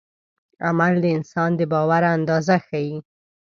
عمل د انسان د باور اندازه ښيي.